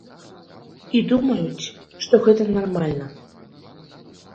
І думаюць, што гэта нармальна.